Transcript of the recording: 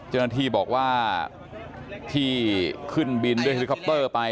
เจ้าหน้าที่บอกว่าที่ขึ้นบินด้วยเฮลิคอปเตอร์ไป